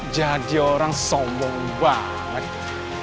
jadi orang sombong banget